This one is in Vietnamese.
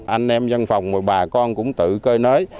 anh em dân phòng và bà con cũng tự cơi nới